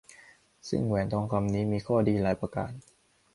ซึ่งแหวนทองคำนี้มีข้อดีหลายประการ